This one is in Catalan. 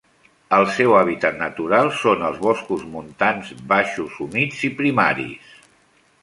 El seu hàbitat natural són els boscos montans baixos humits i primaris.